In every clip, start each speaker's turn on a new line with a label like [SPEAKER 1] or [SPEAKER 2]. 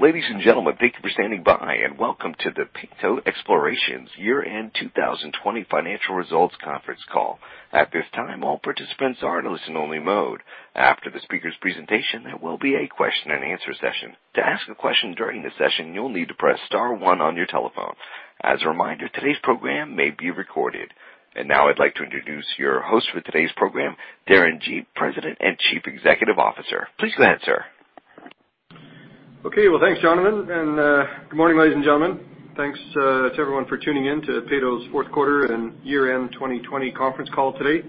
[SPEAKER 1] Ladies and gentlemen, thank you for standing by, welcome to the Peyto Exploration & Development year-end 2020 financial results conference call. At this time, all participants are in listen only mode. After the speaker's presentation, there will be a question-and-answer session. To ask a question during the session, you'll need to press star one on your telephone. As a reminder, today's program may be recorded. Now I'd like to introduce your host for today's program, Darren Gee, President and Chief Executive Officer. Please go ahead, sir.
[SPEAKER 2] Well, thanks, Jonathan, and good morning, ladies and gentlemen. Thanks to everyone for tuning in to Peyto's fourth quarter and year-end 2020 conference call today.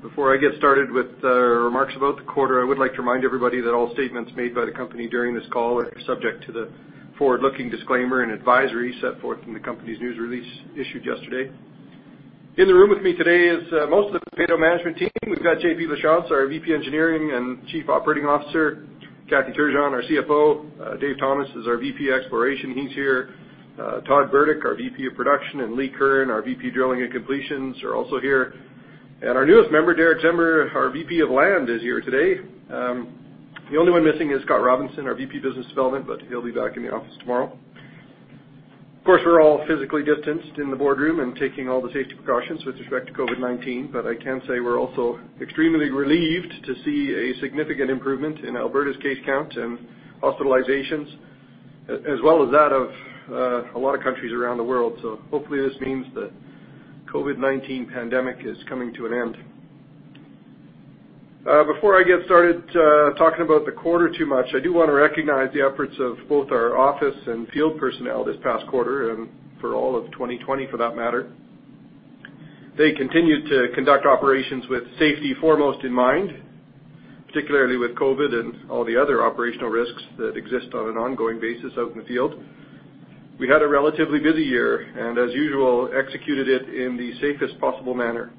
[SPEAKER 2] Before I get started with our remarks about the quarter, I would like to remind everybody that all statements made by the company during this call are subject to the forward-looking disclaimer and advisory set forth in the company's news release issued yesterday. In the room with me today is most of the Peyto management team. We've got J.P. Lachance, our VP Engineering and Chief Operating Officer; Kathy Turgeon, our CFO; Dave Thomas is our VP Exploration, he's here; Todd Burdick, our VP of Production; and Lee Curran, our VP Drilling and Completions, are also here. Our newest member, Derick Czember, our VP of Land, is here today. The only one missing is Scott Robinson, our VP, Business Development. He'll be back in the office tomorrow. Of course, we're all physically distanced in the boardroom and taking all the safety precautions with respect to COVID-19. I can say we're also extremely relieved to see a significant improvement in Alberta's case count and hospitalizations, as well as that of a lot of countries around the world. Hopefully, this means the COVID-19 pandemic is coming to an end. Before I get started talking about the quarter too much, I do want to recognize the efforts of both our office and field personnel this past quarter and for all of 2020, for that matter. They continued to conduct operations with safety foremost in mind, particularly with COVID and all the other operational risks that exist on an ongoing basis out in the field. We had a relatively busy year, and as usual, executed it in the safest possible manner.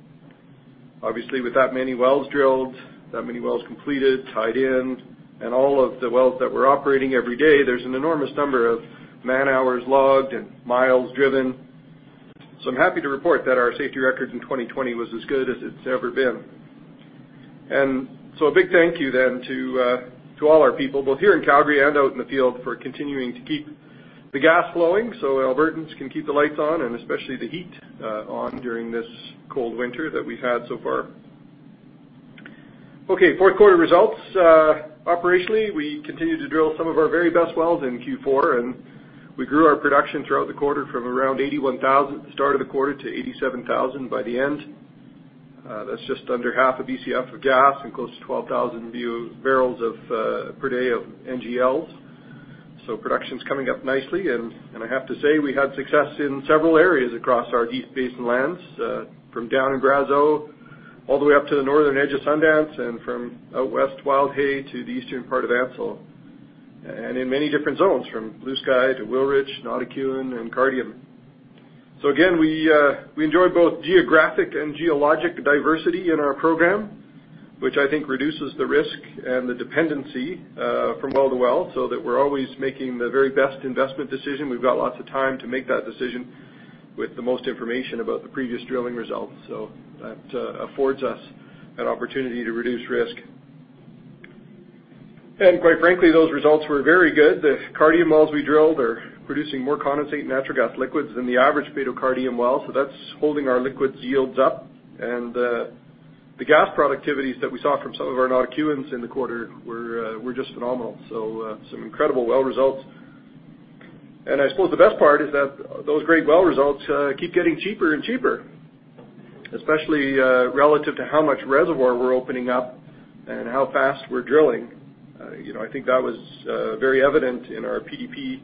[SPEAKER 2] Obviously, with that many wells drilled, that many wells completed, tied in, and all of the wells that we're operating every day, there's an enormous number of man-hours logged and miles driven. I'm happy to report that our safety record in 2020 was as good as it's ever been. A big thank you then to all our people, both here in Calgary and out in the field, for continuing to keep the gas flowing so Albertans can keep the lights on and especially the heat on during this cold winter that we've had so far. Okay, fourth quarter results. Operationally, we continued to drill some of our very best wells in Q4, and we grew our production throughout the quarter from around 81,000 at the start of the quarter to 87,000 by the end. That's just under half a Bcf of gas and close to 12,000 bpd of NGLs. Production's coming up nicely, and I have to say we had success in several areas across our East Basin lands, from down in Brazeau all the way up to the northern edge of Sundance, and from out west Wildhay to the eastern part of Ansell. In many different zones, from Bluesky to Wilrich, Notikewin, and Cardium. Again, we enjoy both geographic and geologic diversity in our program, which I think reduces the risk and the dependency from well to well, so that we're always making the very best investment decision. We've got lots of time to make that decision with the most information about the previous drilling results, so that affords us an opportunity to reduce risk. Quite frankly, those results were very good. The Cardium wells we drilled are producing more condensate and natural gas liquids than the average Peyto Cardium well, so that's holding our liquids yields up. The gas productivities that we saw from some of our Notikewins in the quarter were just phenomenal. Some incredible well results. I suppose the best part is that those great well results keep getting cheaper and cheaper, especially relative to how much reservoir we're opening up and how fast we're drilling. I think that was very evident in our PDP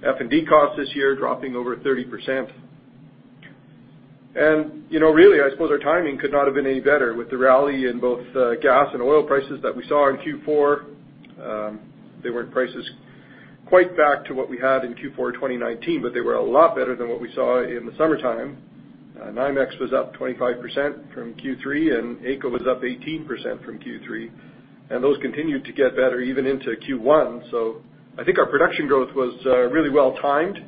[SPEAKER 2] F&D cost this year, dropping over 30%. Really, I suppose our timing could not have been any better with the rally in both gas and oil prices that we saw in Q4. They weren't prices quite back to what we had in Q4 2019, but they were a lot better than what we saw in the summertime. NYMEX was up 25% from Q3, and AECO was up 18% from Q3, and those continued to get better even into Q1. I think our production growth was really well timed.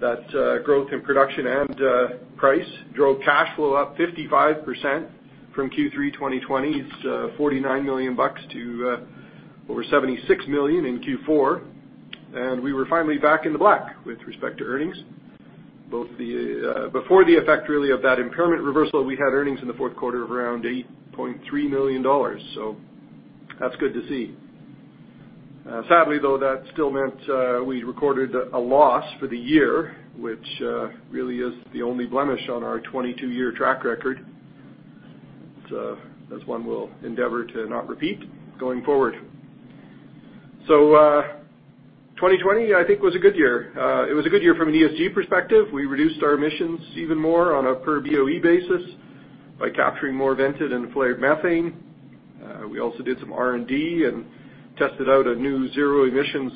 [SPEAKER 2] That growth in production and price drove cash flow up 55% from Q3 2020. It's 49 million bucks to over 76 million in Q4, and we were finally back in the black with respect to earnings. Before the effect really of that impairment reversal, we had earnings in the fourth quarter of around 8.3 million dollars. That's good to see. Sadly, that still meant we recorded a loss for the year, which really is the only blemish on our 22-year track record. That's one we'll endeavor to not repeat going forward. 2020, I think, was a good year. It was a good year from an ESG perspective. We reduced our emissions even more on a per-boe basis by capturing more vented and flared methane. We also did some R&D and tested out a new zero emissions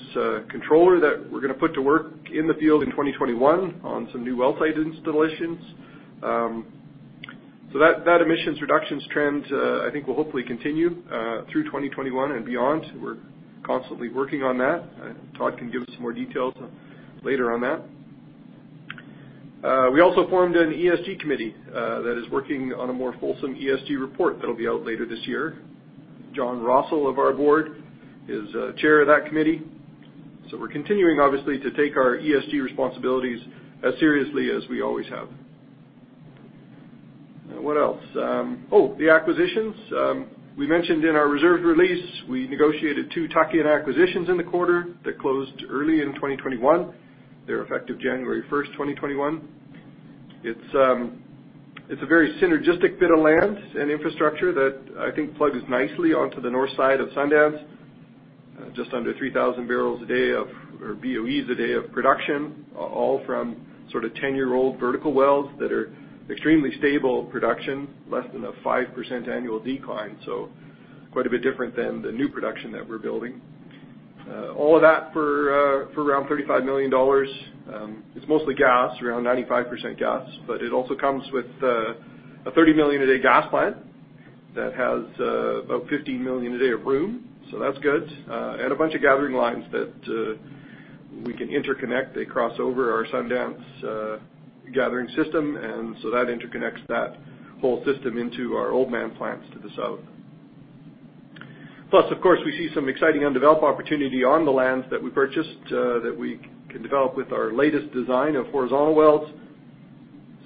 [SPEAKER 2] controller that we're going to put to work in the field in 2021 on some new well site installations. That emissions reductions trend I think will hopefully continue through 2021 and beyond. We're constantly working on that. Todd can give us some more details later on that. We also formed an ESG committee that is working on a more fulsome ESG report that'll be out later this year. John Rossall of our board is Chair of that committee. We're continuing, obviously, to take our ESG responsibilities as seriously as we always have. What else? The acquisitions. We mentioned in our reserve release, we negotiated two tuck-in acquisitions in the quarter that closed early in 2021. They're effective January 1st, 2021. It's a very synergistic bit of land and infrastructure that I think plugs nicely onto the north side of Sundance. Just under 3,000 boe a day of production, all from sort of 10-year-old vertical wells that are extremely stable production, less than a 5% annual decline. Quite a bit different than the new production that we're building. All of that for around 35 million dollars. It's mostly gas, around 95% gas, but it also comes with a 30 million a day gas plant that has about 15 million a day of room. That's good. A bunch of gathering lines that we can interconnect. They cross over our Sundance gathering system, that interconnects that whole system into our Oldman plants to the south. Plus, of course, we see some exciting undeveloped opportunity on the lands that we purchased, that we can develop with our latest design of horizontal wells.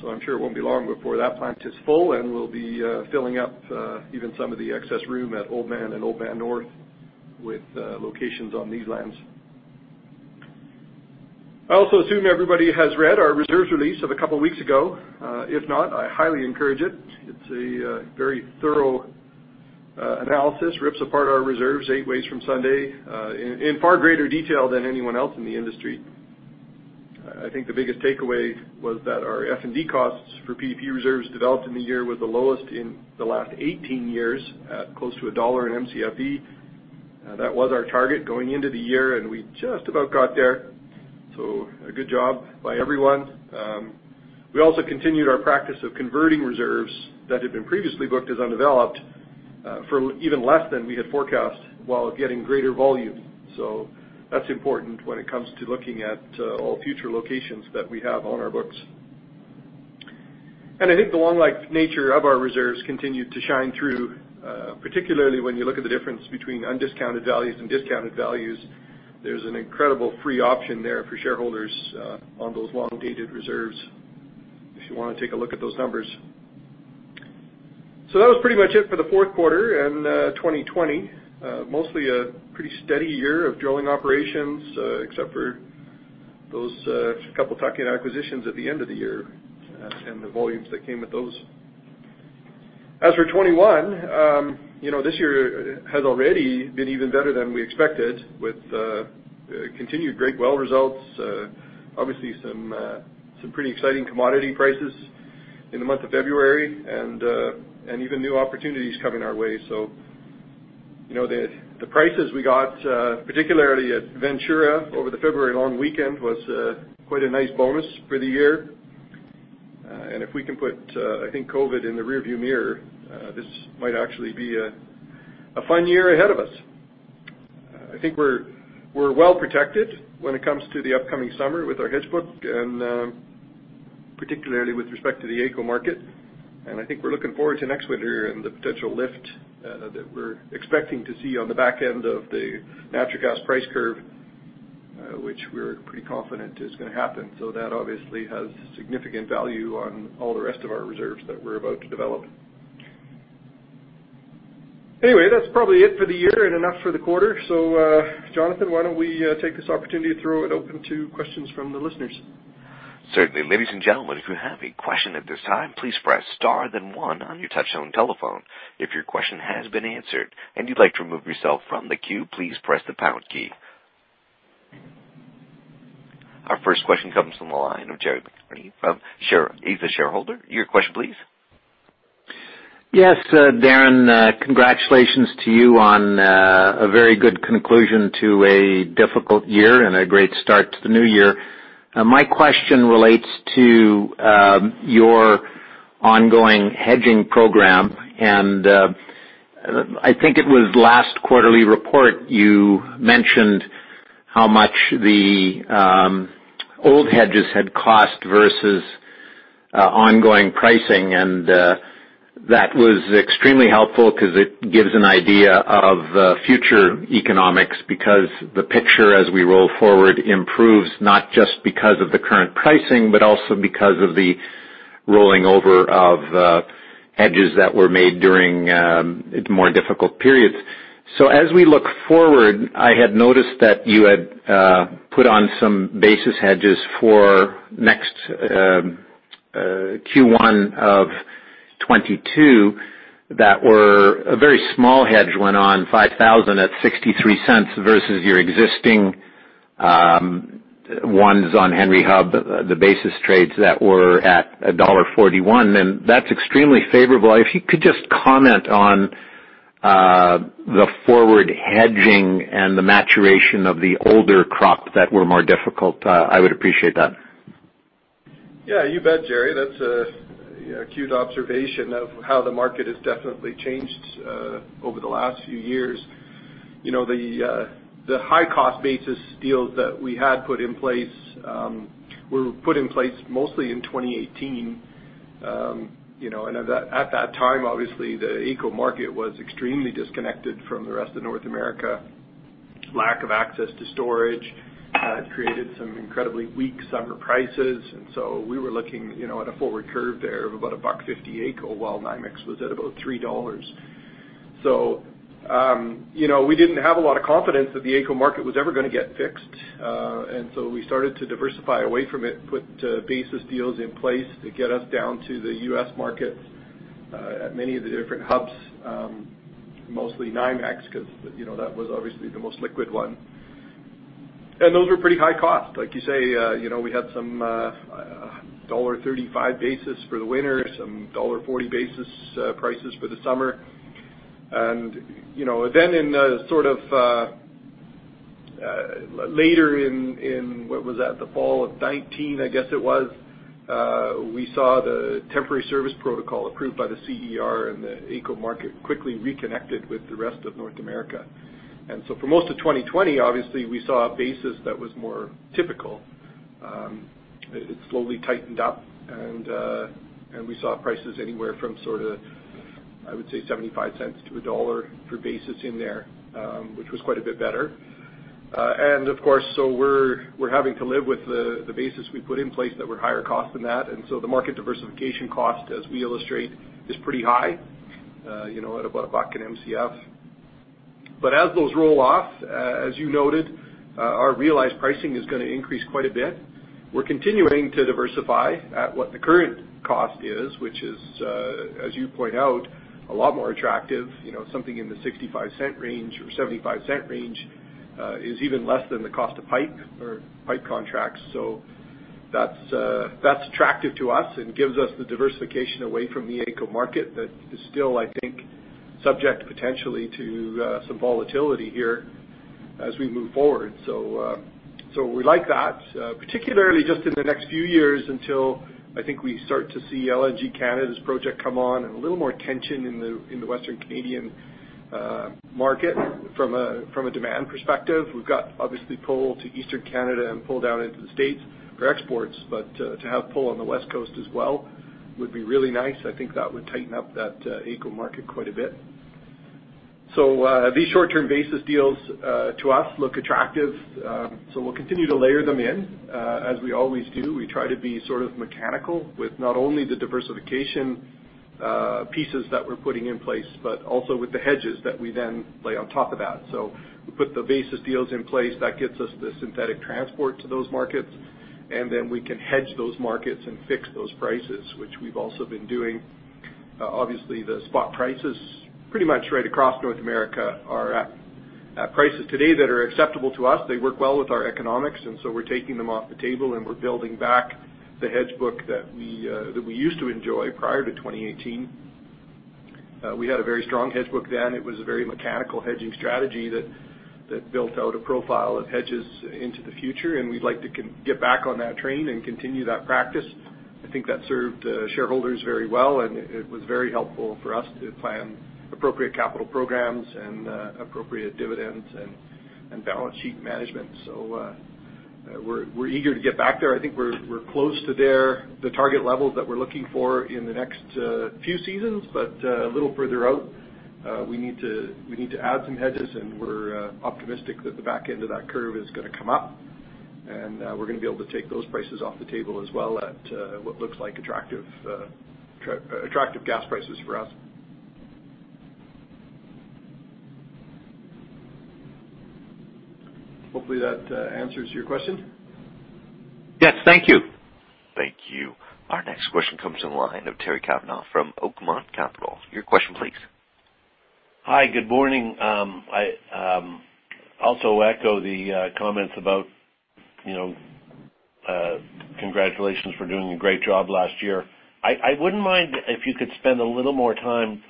[SPEAKER 2] I'm sure it won't be long before that plant is full, and we'll be filling up even some of the excess room at Oldman and Oldman North with locations on these lands. I also assume everybody has read our reserves release of a couple of weeks ago. If not, I highly encourage it. It's a very thorough analysis, rips apart our reserves eight ways from Sunday, in far greater detail than anyone else in the industry. I think the biggest takeaway was that our F&D costs for PDP reserves developed in the year was the lowest in the last 18 years, at close to CAD 1 an Mcfe. That was our target going into the year, and we just about got there. A good job by everyone. We also continued our practice of converting reserves that had been previously booked as undeveloped for even less than we had forecast while getting greater volume. That's important when it comes to looking at all future locations that we have on our books. I think the long-life nature of our reserves continued to shine through, particularly when you look at the difference between undiscounted values and discounted values. There's an incredible free option there for shareholders on those long-dated reserves, if you want to take a look at those numbers. That was pretty much it for the fourth quarter and 2020. Mostly a pretty steady year of drilling operations, except for those couple tuck-in acquisitions at the end of the year and the volumes that came with those. As for 2021, this year has already been even better than we expected, with continued great well results, obviously some pretty exciting commodity prices in the month of February, and even new opportunities coming our way. The prices we got, particularly at Ventura over the February long weekend, was quite a nice bonus for the year. If we can put, I think, COVID in the rearview mirror, this might actually be a fun year ahead of us. I think we're well protected when it comes to the upcoming summer with our hedge book, and particularly with respect to the AECO market. I think we're looking forward to next winter and the potential lift that we're expecting to see on the back end of the natural gas price curve, which we're pretty confident is going to happen. That obviously has significant value on all the rest of our reserves that we're about to develop. Anyway, that's probably it for the year and enough for the quarter. Jonathan, why don't we take this opportunity to throw it open to questions from the listeners?
[SPEAKER 1] Certainly. Ladies and gentlemen, if you have a question at this time please press star then one on your touch-tone telephone. If your question has been answered and you'd like to remove yourself from the queue, please press the pound key. Our first question comes from the line of [Jerry McInerney], he's a shareholder. Your question, please.
[SPEAKER 3] Yes, Darren, congratulations to you on a very good conclusion to a difficult year and a great start to the new year. My question relates to your ongoing hedging program. I think it was last quarterly report you mentioned how much the old hedges had cost versus ongoing pricing, and that was extremely helpful because it gives an idea of future economics, because the picture as we roll forward improves not just because of the current pricing, but also because of the rolling over of hedges that were made during more difficult periods. As we look forward, I had noticed that you had put on some basis hedges for next Q1 of 2022 that were a very small hedge went on 5,000 at 0.63 versus your existing ones on Henry Hub, the basis trades that were at dollar 1.41, and that's extremely favorable. If you could just comment on the forward hedging and the maturation of the older crop that were more difficult, I would appreciate that.
[SPEAKER 2] Yeah, you bet, [Jerry]. That's an acute observation of how the market has definitely changed over the last few years. The high cost basis deals that we had put in place were put in place mostly in 2018. At that time, obviously, the AECO market was extremely disconnected from the rest of North America. Lack of access to storage had created some incredibly weak summer prices, we were looking at a forward curve there of about CAD 1.50 AECO while NYMEX was at about $3. We didn't have a lot of confidence that the AECO market was ever going to get fixed. We started to diversify away from it, put basis deals in place to get us down to the U.S. market at many of the different hubs, mostly NYMEX, because that was obviously the most liquid one. Those were pretty high cost. Like you say, we had some dollar 1.35 basis for the winter, some dollar 1.40 basis prices for the summer. Then later in, what was that? The fall of 2019, I guess it was, we saw the temporary service protocol approved by the CER, and the AECO market quickly reconnected with the rest of North America. For most of 2020, obviously, we saw a basis that was more typical. It slowly tightened up, and we saw prices anywhere from, I would say, 0.75 to CAD 1 per basis in there, which was quite a bit better. We're having to live with the basis we put in place that were higher cost than that. The market diversification cost, as we illustrate, is pretty high, at about CAD 1 an Mcf. As those roll off, as you noted, our realized pricing is going to increase quite a bit. We're continuing to diversify at what the current cost is, which is, as you point out, a lot more attractive. Something in the 0.65 range or 0.75 range is even less than the cost of pipe or pipe contracts. That's attractive to us and gives us the diversification away from the AECO market that is still, I think, subject potentially to some volatility here as we move forward. We like that, particularly just in the next few years until, I think, we start to see LNG Canada's project come on and a little more tension in the Western Canadian market from a demand perspective. We've got, obviously, pull to Eastern Canada and pull down into the States for exports, but to have pull on the West Coast as well would be really nice. I think that would tighten up that AECO market quite a bit. These short-term basis deals to us look attractive. We'll continue to layer them in as we always do. We try to be sort of mechanical with not only the diversification pieces that we're putting in place, but also with the hedges that we then lay on top of that. We put the basis deals in place that gets us the synthetic transport to those markets. We can hedge those markets and fix those prices, which we've also been doing. Obviously, the spot prices pretty much right across North America are at prices today that are acceptable to us. They work well with our economics, and so we're taking them off the table, and we're building back the hedge book that we used to enjoy prior to 2018. We had a very strong hedge book then. It was a very mechanical hedging strategy that built out a profile of hedges into the future, and we'd like to get back on that train and continue that practice. I think that served shareholders very well, and it was very helpful for us to plan appropriate capital programs and appropriate dividends and balance sheet management. We're eager to get back there. I think we're close to the target levels that we're looking for in the next few seasons, but a little further out, we need to add some hedges, and we're optimistic that the back end of that curve is going to come up. We're going to be able to take those prices off the table as well at what looks like attractive gas prices for us. Hopefully that answers your question.
[SPEAKER 3] Yes. Thank you.
[SPEAKER 1] Thank you. Our next question comes from the line of Terry Kavanagh from Oakmont Capital. Your question, please.
[SPEAKER 4] Hi, good morning. I also echo the comments about congratulations for doing a great job last year. I wouldn't mind if you could spend a little more time.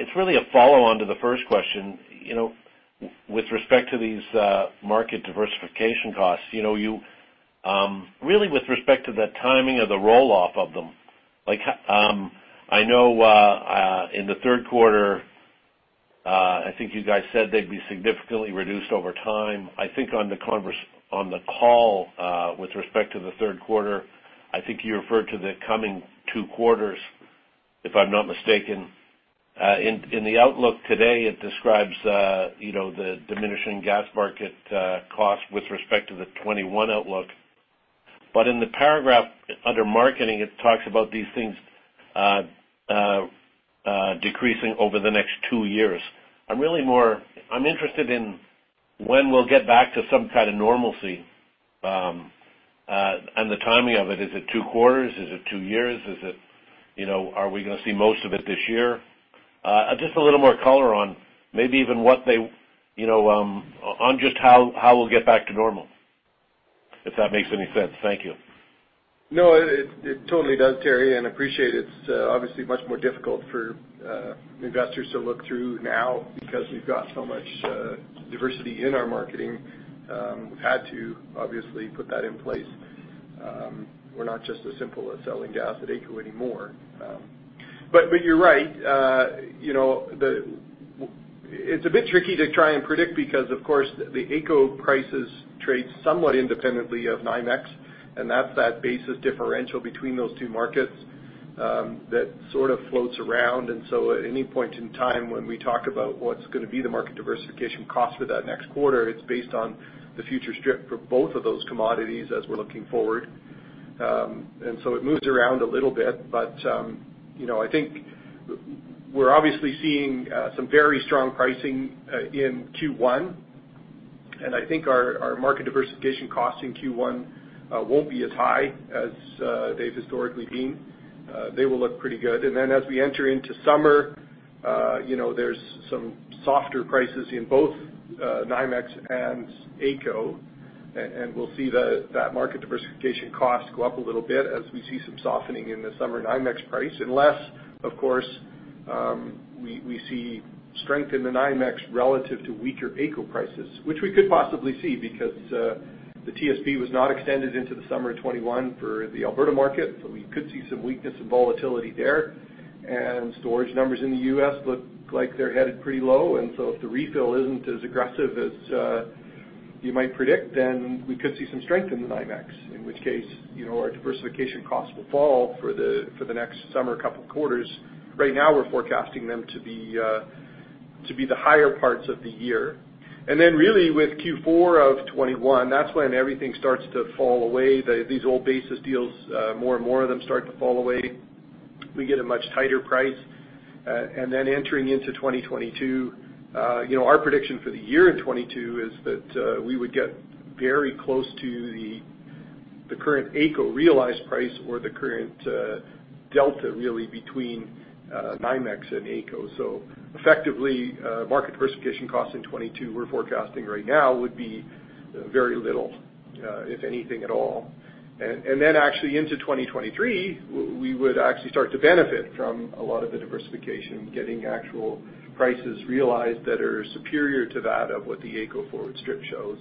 [SPEAKER 4] It's really a follow-on to the first question. With respect to these market diversification costs, really with respect to the timing of the roll-off of them. I know in the third quarter, I think you guys said they'd be significantly reduced over time. I think on the call with respect to the third quarter, I think you referred to the coming two quarters, if I'm not mistaken. In the outlook today, it describes the diminishing gas market cost with respect to the 2021 outlook. In the paragraph under marketing, it talks about these things decreasing over the next two years. I'm interested in when we'll get back to some kind of normalcy and the timing of it. Is it two quarters? Is it two years? Are we going to see most of it this year? Just a little more color on maybe even on just how we'll get back to normal, if that makes any sense. Thank you.
[SPEAKER 2] No, it totally does, Terry, and appreciate it. It's obviously much more difficult for investors to look through now because we've got so much diversity in our marketing. We've had to, obviously, put that in place. We're not just as simple as selling gas at AECO anymore. You're right. It's a bit tricky to try and predict because, of course, the AECO prices trade somewhat independently of NYMEX, and that's that basis differential between those two markets that sort of floats around. At any point in time, when we talk about what's going to be the market diversification cost for that next quarter, it's based on the future strip for both of those commodities as we're looking forward. It moves around a little bit, I think we're obviously seeing some very strong pricing in Q1. I think our market diversification cost in Q1 won't be as high as they've historically been. They will look pretty good. As we enter into summer, there's some softer prices in both NYMEX and AECO, we'll see that market diversification cost go up a little bit as we see some softening in the summer NYMEX price. Unless, of course, we see strength in the NYMEX relative to weaker AECO prices, which we could possibly see because the TSP was not extended into the summer of 2021 for the Alberta market, we could see some weakness and volatility there. Storage numbers in the U.S. look like they're headed pretty low. If the refill isn't as aggressive as you might predict, we could see some strength in the NYMEX. In which case, our diversification costs will fall for the next summer, couple of quarters. Right now, we're forecasting them to be the higher parts of the year. Really with Q4 of 2021, that's when everything starts to fall away. These old basis deals, more and more of them start to fall away. We get a much tighter price. Entering into 2022, our prediction for the year in 2022 is that we would get very close to the current AECO realized price or the current delta really between NYMEX and AECO. Effectively, market diversification costs in 2022 we're forecasting right now would be very little, if anything at all. Actually into 2023, we would actually start to benefit from a lot of the diversification, getting actual prices realized that are superior to that of what the AECO forward strip shows.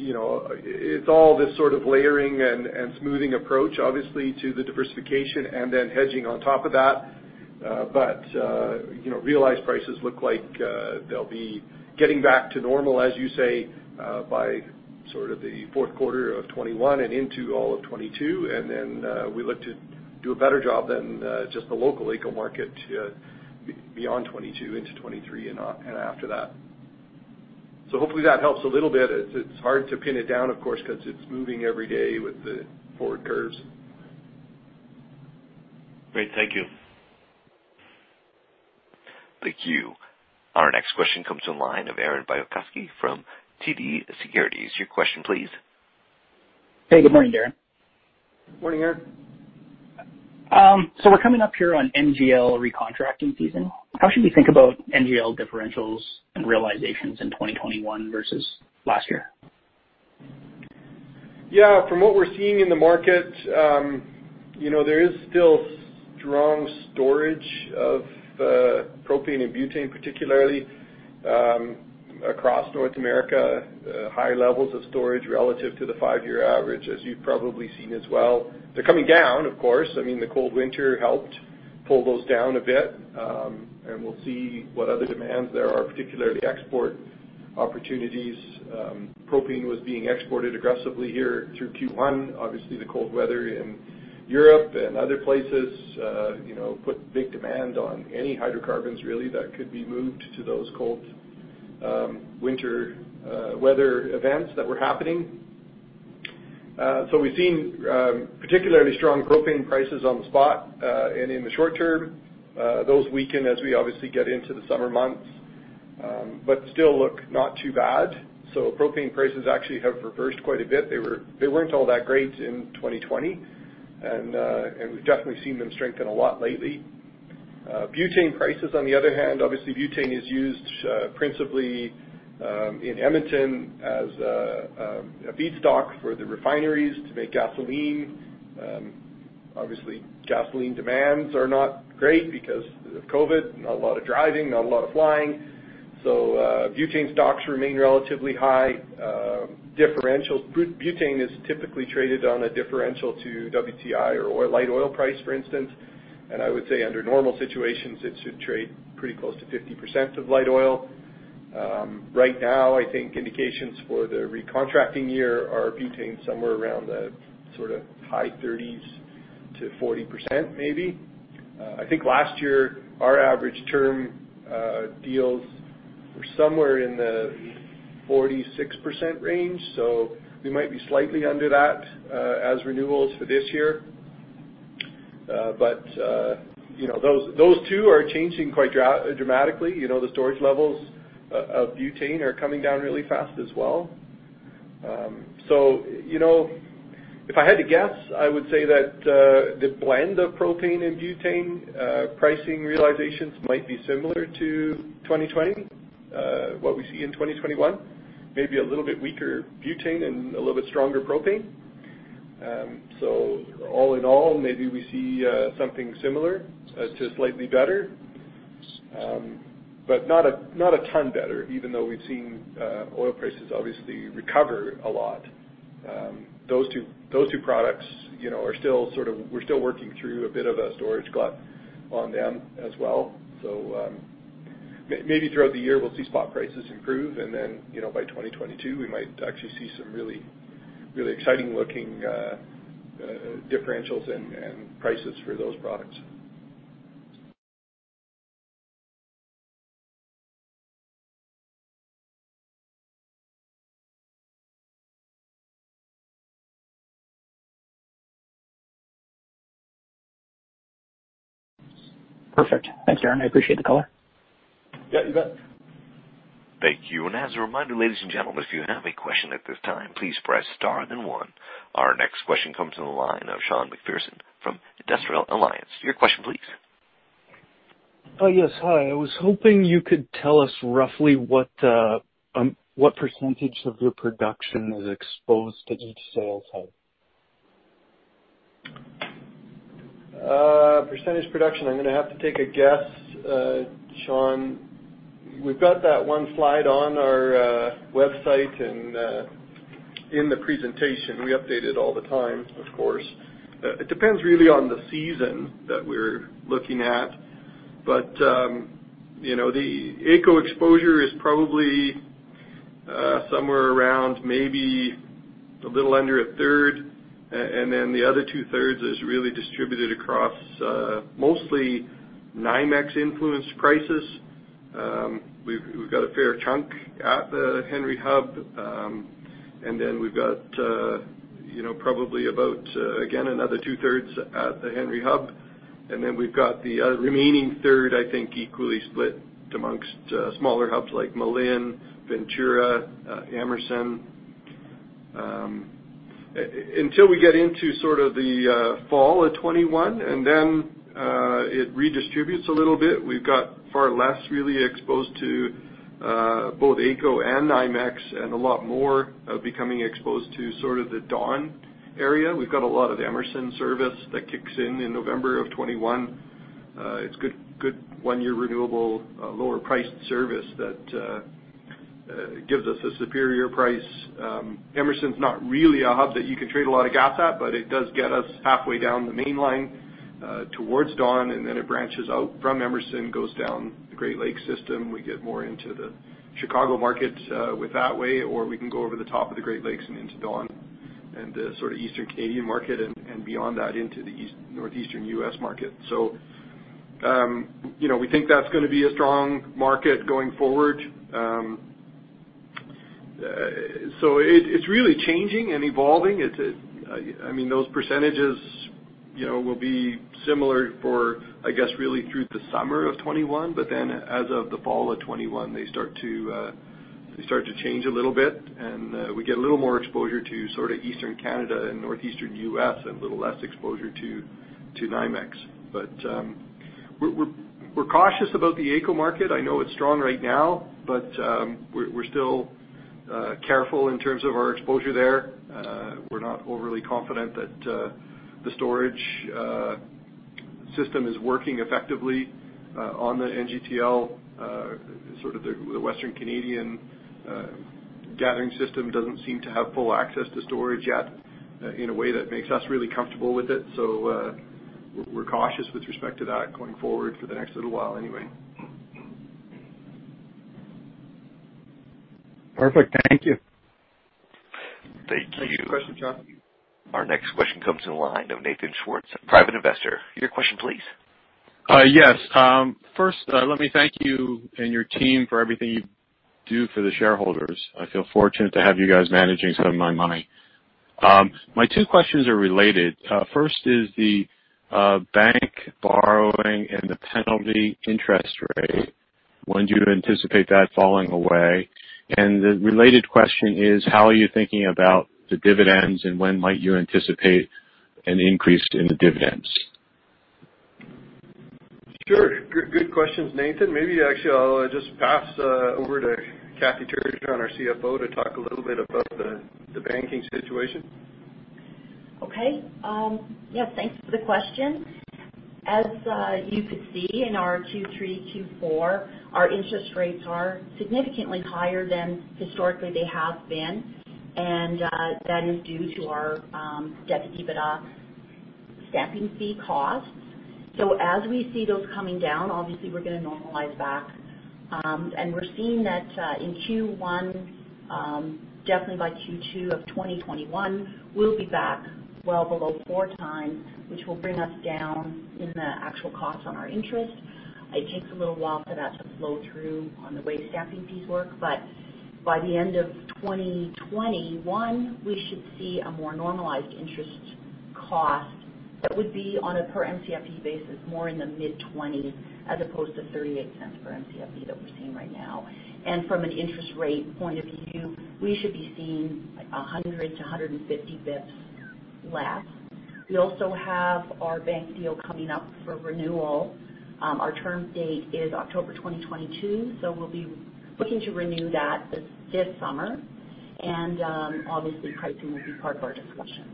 [SPEAKER 2] It's all this sort of layering and smoothing approach, obviously, to the diversification and then hedging on top of that. Realized prices look like they'll be getting back to normal, as you say, by sort of the fourth quarter of 2021 and into all of 2022. We look to do a better job than just the local AECO market beyond 2022 into 2023 and after that. Hopefully that helps a little bit. It's hard to pin it down, of course, because it's moving every day with the forward curves.
[SPEAKER 4] Great. Thank you.
[SPEAKER 1] Thank you. Our next question comes to the line of Aaron Bilkoski from TD Securities. Your question, please.
[SPEAKER 5] Hey, good morning, Darren.
[SPEAKER 2] Morning, Aaron.
[SPEAKER 5] We're coming up here on NGL recontracting season. How should we think about NGL differentials and realizations in 2021 versus last year?
[SPEAKER 2] Yeah. From what we're seeing in the market, there is still strong storage of propane and butane, particularly, across North America, high levels of storage relative to the five-year average, as you've probably seen as well. They're coming down, of course. The cold winter helped pull those down a bit, and we'll see what other demands there are, particularly export opportunities. Propane was being exported aggressively here through Q1. Obviously, the cold weather in Europe and other places put big demand on any hydrocarbons really that could be moved to those cold winter weather events that were happening. We've seen particularly strong propane prices on the spot, and in the short term, those weaken as we obviously get into the summer months but still look not too bad. Propane prices actually have reversed quite a bit. They weren't all that great in 2020. We've definitely seen them strengthen a lot lately. Butane prices, on the other hand, obviously butane is used principally in Edmonton as a feedstock for the refineries to make gasoline. Obviously, gasoline demands are not great because of COVID, not a lot of driving, not a lot of flying. Butane stocks remain relatively high. Butane is typically traded on a differential to WTI or light oil price, for instance. I would say under normal situations, it should trade pretty close to 50% of light oil. Right now, I think indications for the recontracting year are butane somewhere around the sort of high 30s to 40%, maybe. I think last year our average term deals were somewhere in the 46% range, so we might be slightly under that as renewals for this year. Those two are changing quite dramatically. The storage levels of butane are coming down really fast as well. If I had to guess, I would say that the blend of propane and butane pricing realizations might be similar to 2020, what we see in 2021. Maybe a little bit weaker butane and a little bit stronger propane. All in all, maybe we see something similar to slightly better, but not a ton better, even though we've seen oil prices obviously recover a lot. Those two products, we're still working through a bit of a storage glut on them as well. Maybe throughout the year we'll see spot prices improve and then, by 2022, we might actually see some really exciting-looking differentials and prices for those products.
[SPEAKER 5] Perfect. Thanks, Darren. I appreciate the call.
[SPEAKER 2] Yeah, you bet.
[SPEAKER 1] Thank you. As a reminder, ladies and gentlemen, if you have a question at this time, please press star then one. Our next question comes from the line of Sean McPherson from Industrial Alliance. Your question, please.
[SPEAKER 6] Yes, hi. I was hoping you could tell us roughly what percentage of your production is exposed to each sales hub.
[SPEAKER 2] Percentage production, I'm going to have to take a guess, Sean. We've got that one slide on our website and in the presentation. We update it all the time, of course. It depends really on the season that we're looking at. The AECO exposure is probably somewhere around maybe a little under a third, the other two-thirds is really distributed across mostly NYMEX-influenced prices. We've got a fair chunk at the Henry Hub. We've got probably about, again, another two-thirds at the Henry Hub, we've got the remaining third, I think, equally split amongst smaller hubs like Malin, Ventura, Emerson. Until we get into sort of the fall of 2021, it redistributes a little bit. We've got far less really exposed to both AECO and NYMEX and a lot more becoming exposed to sort of the Dawn area. We've got a lot of Emerson service that kicks in in November of 2021. It's good one-year renewable lower priced service that gives us a superior price. Emerson's not really a hub that you can trade a lot of gas at, but it does get us halfway down the main line towards Dawn, and then it branches out from Emerson, goes down the Great Lakes system. We get more into the Chicago market with that way, or we can go over the top of the Great Lakes and into Dawn and the sort of Eastern Canadian market and beyond that, into the Northeastern U.S. market. We think that's going to be a strong market going forward. It's really changing and evolving. Those percentages will be similar for, I guess, really through the summer of 2021. As of the fall of 2021, they start to change a little bit and we get a little more exposure to sort of Eastern Canada and Northeastern U.S. and a little less exposure to NYMEX. We're cautious about the AECO market. I know it's strong right now, but we're still careful in terms of our exposure there. We're not overly confident that the storage system is working effectively on the NGTL. Sort of the Western Canadian gathering system doesn't seem to have full access to storage yet in a way that makes us really comfortable with it. We're cautious with respect to that going forward for the next little while anyway.
[SPEAKER 6] Perfect. Thank you.
[SPEAKER 1] Thank you.
[SPEAKER 2] Thanks for the question, Sean.
[SPEAKER 1] Our next question comes in the line of [Nathan Schwartz], Private Investor. Your question, please.
[SPEAKER 7] Yes. First, let me thank you and your team for everything you do for the shareholders. I feel fortunate to have you guys managing some of my money. My two questions are related. First is the bank borrowing and the penalty interest rate. When do you anticipate that falling away? The related question is how are you thinking about the dividends and when might you anticipate an increase in the dividends?
[SPEAKER 2] Sure, good questions, Nathan. Maybe actually I'll just pass over to Kathy Turgeon, our CFO, to talk a little bit about the banking situation.
[SPEAKER 8] Okay. Yeah, thanks for the question. As you could see in our Q3, Q4, our interest rates are significantly higher than historically they have been, and that is due to our debt-to-EBITDA stamping fee costs. As we see those coming down, obviously we're going to normalize back. Definitely by Q2 of 2021, we'll be back well below 4x, which will bring us down in the actual cost on our interest. It takes a little while for that to flow through on the way stamping fees work, but by the end of 2021, we should see a more normalized interest cost that would be on a per-Mcfe basis, more in the mid-20 as opposed to 0.38 per Mcfe that we're seeing right now. From an interest rate point of view, we should be seeing 100-150 basis points less. We also have our bank deal coming up for renewal. Our term date is October 2022. We'll be looking to renew that this summer. Obviously, pricing will be part of our discussion.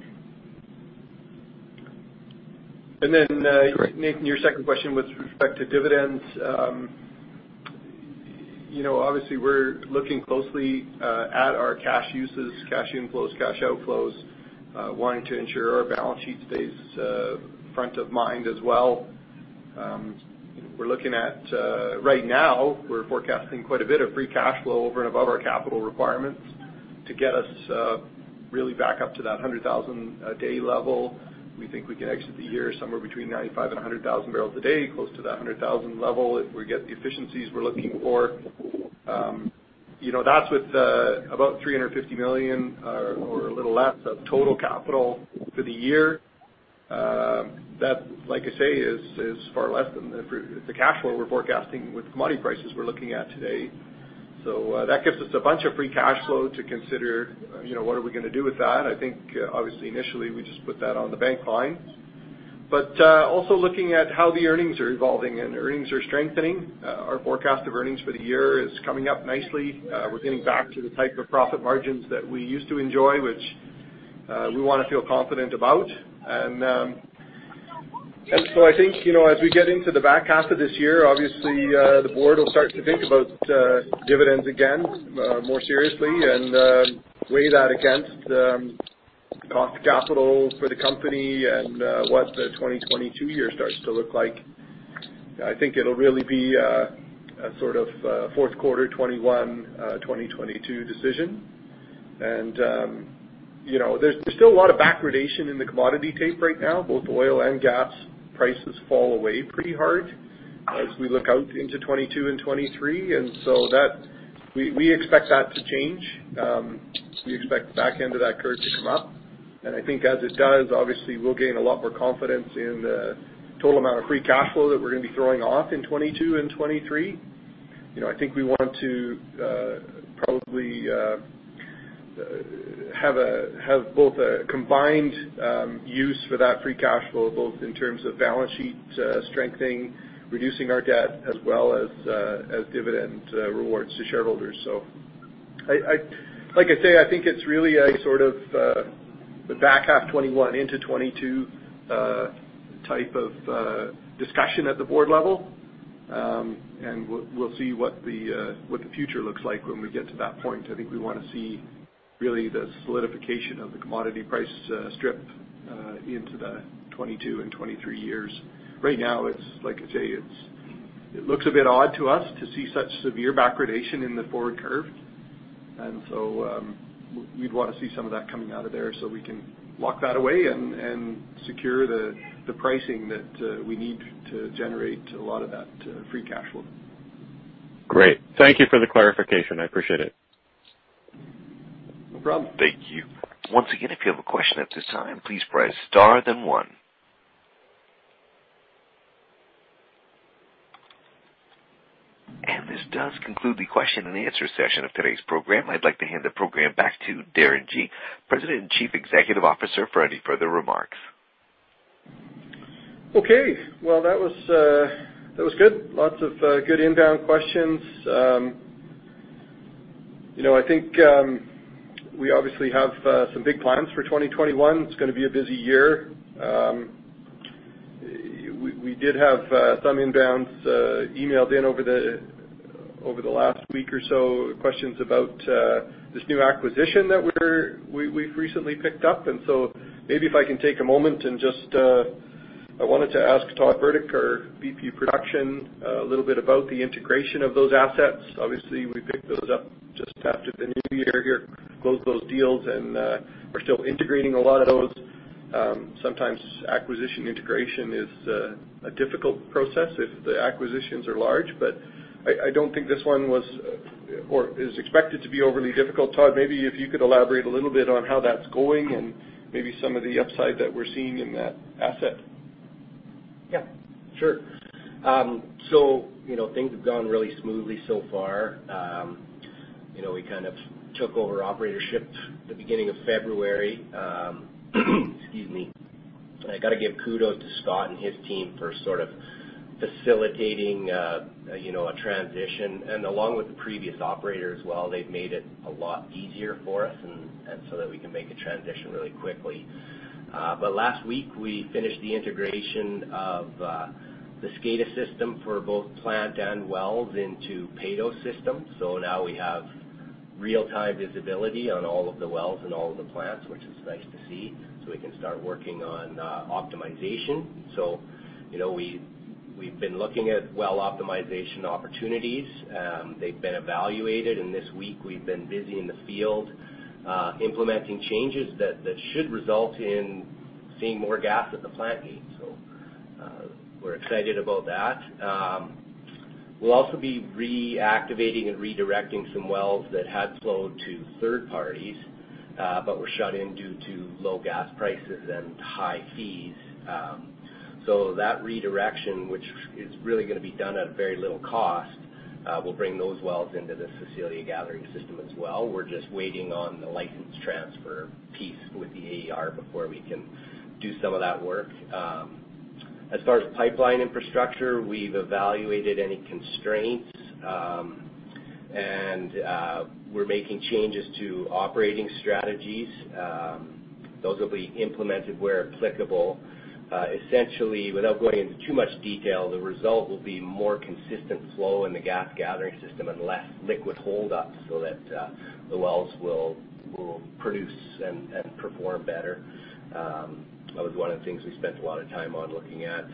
[SPEAKER 2] And then—
[SPEAKER 7] Great.
[SPEAKER 2] Nathan, your second question with respect to dividends. We're looking closely at our cash uses, cash inflows, cash outflows, wanting to ensure our balance sheet stays front of mind as well. We're looking at, right now, we're forecasting quite a bit of free cash flow over and above our capital requirements to get us really back up to that 100,000 bpd level. We think we can exit the year somewhere between 95,000 bpd and 100,000 bpd, close to that 100,000 bpd level if we get the efficiencies we're looking for. That's with about 350 million or a little less of total capital for the year. That, like I say, is far less than the cash flow we're forecasting with commodity prices we're looking at today. That gives us a bunch of free cash flow to consider what are we going to do with that. I think obviously initially, we just put that on the bank line. Also looking at how the earnings are evolving, and earnings are strengthening. Our forecast of earnings for the year is coming up nicely. We're getting back to the type of profit margins that we used to enjoy, which we want to feel confident about. I think, as we get into the back half of this year, obviously, the Board will start to think about dividends again more seriously and weigh that against cost of capital for the company and what the 2022 year starts to look like. I think it'll really be a sort of a fourth quarter 2021/2022 decision. There's still a lot of backwardation in the commodity tape right now, both oil and gas prices fall away pretty hard as we look out into 2022 and 2023. We expect that to change. We expect the back end of that curve to come up. I think as it does, obviously we'll gain a lot more confidence in the total amount of free cash flow that we're going to be throwing off in 2022 and 2023. I think we want to probably have both a combined use for that free cash flow, both in terms of balance sheet strengthening, reducing our debt, as well as dividend rewards to shareholders. Like I say, I think it's really a sort of the back half 2021 into 2022 type of discussion at the board level. We'll see what the future looks like when we get to that point. I think we want to see really the solidification of the commodity price strip into the 2022 and 2023 years. Right now, it's like I say, it looks a bit odd to us to see such severe backwardation in the forward curve. We'd want to see some of that coming out of there so we can lock that away and secure the pricing that we need to generate a lot of that free cash flow.
[SPEAKER 7] Great. Thank you for the clarification. I appreciate it.
[SPEAKER 2] No problem.
[SPEAKER 1] Thank you. Once again, if you have a question at this time, please press star then one. This does conclude the question-and-answer session of today's program. I'd like to hand the program back to Darren Gee, President and Chief Executive Officer, for any further remarks.
[SPEAKER 2] Okay. Well, that was good. Lots of good inbound questions. I think we obviously have some big plans for 2021. It's going to be a busy year. We did have some inbounds emailed in over the last week or so, questions about this new acquisition that we've recently picked up. Maybe if I can take a moment, I wanted to ask Todd Burdick, our VP of Production, a little bit about the integration of those assets. Obviously, we picked those up just after the new year here, closed those deals, and we're still integrating a lot of those. Sometimes acquisition integration is a difficult process if the acquisitions are large, but I don't think this one was or is expected to be overly difficult. Todd, maybe if you could elaborate a little bit on how that's going and maybe some of the upside that we're seeing in that asset.
[SPEAKER 9] Yeah, sure. Things have gone really smoothly so far. We kind of took over operatorship at the beginning of February. Excuse me. I got to give kudos to Scott and his team for sort of facilitating a transition, and along with the previous operator as well, they've made it a lot easier for us, and so that we can make a transition really quickly. Last week, we finished the integration of the SCADA system for both plant and wells into Peyto system. Now we have real-time visibility on all of the wells and all of the plants, which is nice to see. We can start working on optimization. We've been looking at well optimization opportunities. They've been evaluated, and this week we've been busy in the field implementing changes that should result in seeing more gas at the plant gate. We're excited about that. We'll also be reactivating and redirecting some wells that had flowed to third parties but were shut in due to low gas prices and high fees. That redirection, which is really going to be done at very little cost, will bring those wells into the Cecilia gathering system as well. We're just waiting on the license transfer piece with the AER before we can do some of that work. As far as pipeline infrastructure, we've evaluated any constraints. We're making changes to operating strategies. Those will be implemented where applicable. Essentially, without going into too much detail, the result will be more consistent flow in the gas gathering system and less liquid hold-up. That the wells will produce and perform better. That was one of the things we spent a lot of time on looking at.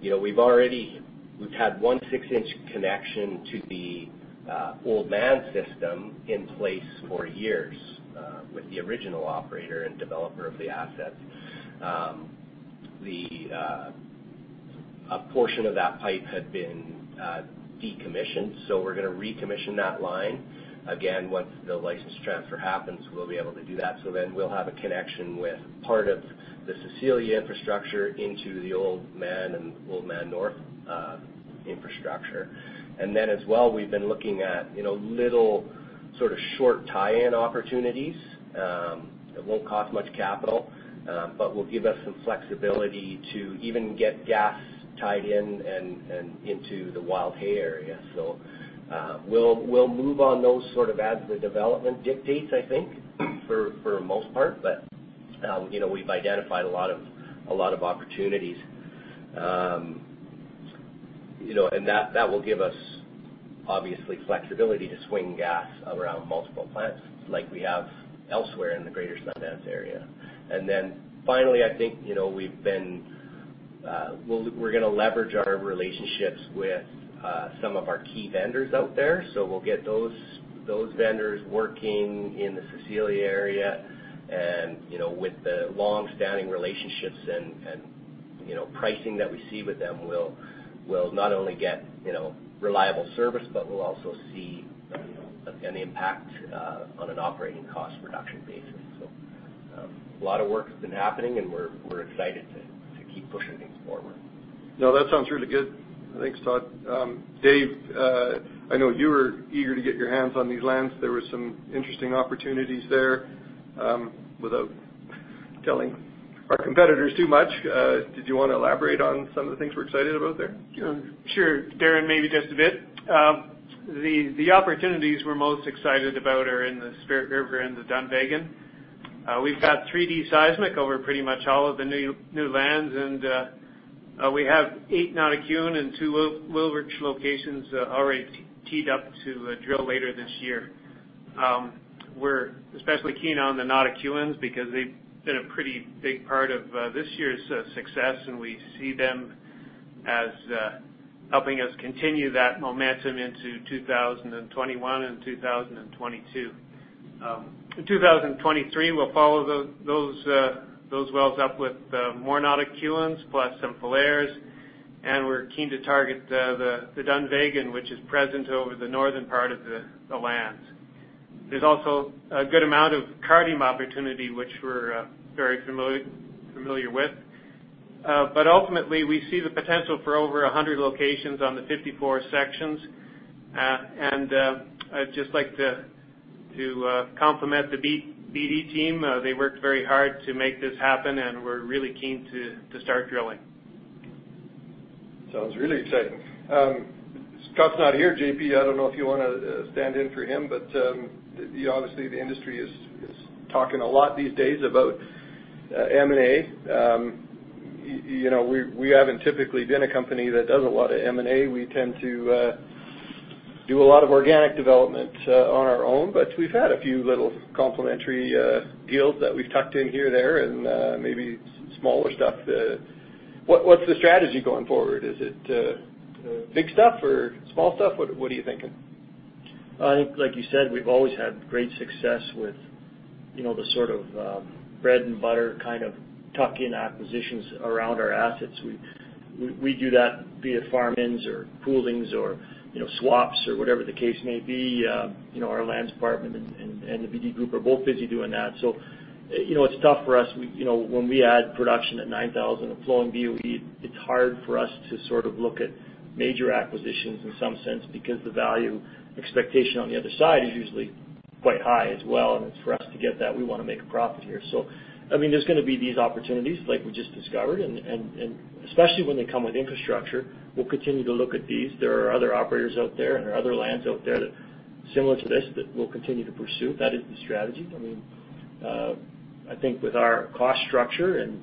[SPEAKER 9] We've had one 6-inch connection to the Oldman system in place for years with the original operator and developer of the asset. A portion of that pipe had been decommissioned, so we're going to recommission that line. Once the license transfer happens, we'll be able to do that. We'll have a connection with part of the Cecilia infrastructure into the Oldman and Oldman North infrastructure. As well, we've been looking at little sort of short tie-in opportunities that won't cost much capital, but will give us some flexibility to even get gas tied in and into the Wildhay area. We'll move on those sort of as the development dictates, I think, for the most part. We've identified a lot of opportunities. That will give us, obviously, flexibility to swing gas around multiple plants like we have elsewhere in the Greater Sundance area. Then finally, I think we're going to leverage our relationships with some of our key vendors out there. We'll get those vendors working in the Cecilia area. With the long-standing relationships and pricing that we see with them, we'll not only get reliable service, but we'll also see an impact on an operating cost reduction basis. A lot of work has been happening, and we're excited to keep pushing things forward.
[SPEAKER 2] No, that sounds really good. Thanks, Todd. Dave, I know you were eager to get your hands on these lands. There were some interesting opportunities there. Without telling our competitors too much, did you want to elaborate on some of the things we're excited about there?
[SPEAKER 10] Sure, Darren, maybe just a bit. The opportunities we're most excited about are in the Spirit River and the Dunvegan. We've got 3D seismic over pretty much all of the new lands, and we have eight Notikewin and two Wilrich locations already teed up to drill later this year. We're especially keen on the Notikewins because they've been a pretty big part of this year's success, and we see them as helping us continue that momentum into 2021 and 2022. In 2023, we'll follow those wells up with more Notikewins plus some Falhers, we're keen to target the Dunvegan, which is present over the northern part of the lands. There's also a good amount of Cardium opportunity, which we're very familiar with. Ultimately, we see the potential for over 100 locations on the 54 sections. I'd just like to compliment the BD team. They worked very hard to make this happen, and we're really keen to start drilling.
[SPEAKER 2] Sounds really exciting. Scott's not here. J.P., I don't know if you want to stand in for him, obviously the industry is talking a lot these days about M&A. We haven't typically been a company that does a lot of M&A. We tend to do a lot of organic development on our own, we've had a few little complementary deals that we've tucked in here or there and maybe smaller stuff. What's the strategy going forward? Is it big stuff or small stuff? What are you thinking?
[SPEAKER 11] I think like you said, we've always had great success with the sort of bread-and-butter kind of tuck-in acquisitions around our assets. We do that via farm-ins or poolings or swaps or whatever the case may be. Our lands department and the BD group are both busy doing that. It's tough for us. When we add production at 9,000 a flowing boe, it's hard for us to sort of look at major acquisitions in some sense because the value expectation on the other side is usually quite high as well, and for us to get that, we want to make a profit here. There's going to be these opportunities like we just discovered, and especially when they come with infrastructure, we'll continue to look at these. There are other operators out there and there are other lands out there that similar to this that we'll continue to pursue. That is the strategy. I think with our cost structure and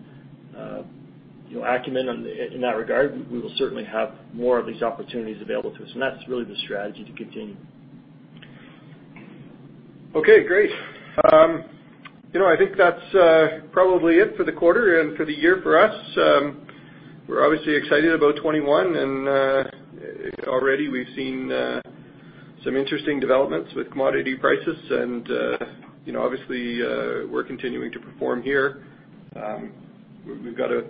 [SPEAKER 11] acumen in that regard, we will certainly have more of these opportunities available to us, and that's really the strategy to continue.
[SPEAKER 2] Okay, great. I think that's probably it for the quarter and for the year for us. We're obviously excited about 2021, and already we've seen some interesting developments with commodity prices and obviously, we're continuing to perform here. We've got an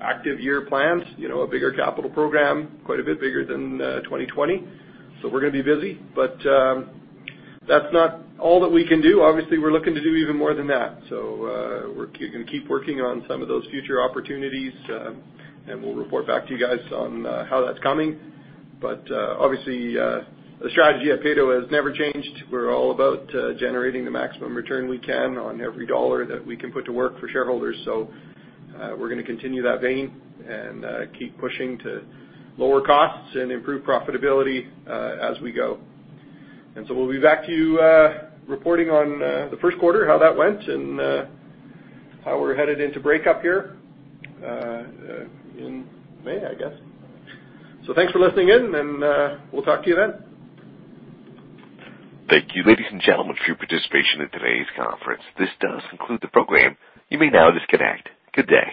[SPEAKER 2] active year planned, a bigger capital program, quite a bit bigger than 2020. We're going to be busy, but that's not all that we can do. Obviously, we're looking to do even more than that. We're going to keep working on some of those future opportunities, and we'll report back to you guys on how that's coming. Obviously, the strategy at Peyto has never changed. We're all about generating the maximum return we can on every dollar that we can put to work for shareholders. We're going to continue that vein and keep pushing to lower costs and improve profitability as we go. We'll be back to you reporting on the first quarter, how that went, and how we're headed into breakup here in May, I guess. Thanks for listening in, and we'll talk to you then.
[SPEAKER 1] Thank you, ladies and gentlemen, for your participation in today's conference. This does conclude the program. You may now disconnect. Good day.